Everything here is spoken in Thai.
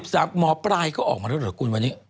หมอปลายเขาออกมาแล้วเหรอคุณวันนี้